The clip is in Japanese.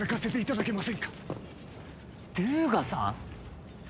ドゥーガさん！？